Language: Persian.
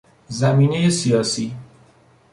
زمینهی سیاسی